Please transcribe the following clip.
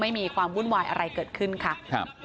ไม่มีความร่วมวายอะไรเกิดขึ้นครับ